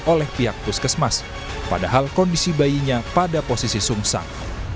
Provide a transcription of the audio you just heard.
oleh pihak puskesmas padahal kondisi bayinya pada posisi sungsang